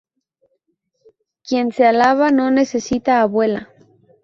Quien se alaba no necesita abuela